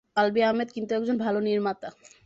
আলভী আহমেদ কিন্তু একজন ভালো নির্মাতা।